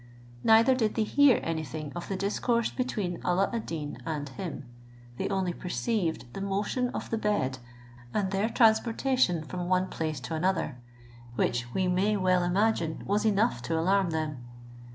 Neither did they hear any thing of the discourse between Alla ad Deen and him; they only perceived the motion of the bed, and their transportation from one place to another; which we may well imagine was enough to alarm them.